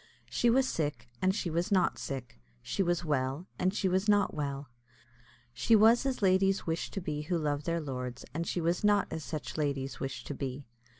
She was sick, and she was not sick; she was well, and she was not well; she was as ladies wish to be who love their lords, and she was not as such ladies wish to be.